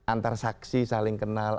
antara saksi saling kenal